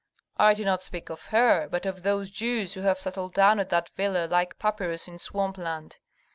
"I do not speak of her, but of those Jews who have settled down at that villa like papyrus in swamp land.